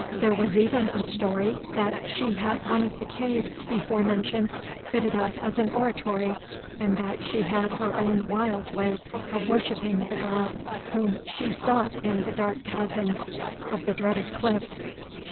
There was even a story, that she had one of the caves before mentioned fitted up as an oratory, and that she had her own wild way of worshipping the God whom she sought in the dark chasms of the dreaded cliffs.